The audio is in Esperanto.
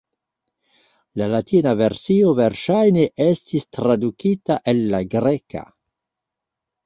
La latina versio verŝajne estis tradukita el la greka.